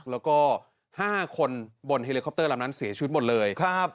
แล้วก็๕คนบนเฮลิคอปเตอร์ลำนั้นเสียชีวิตหมดเลย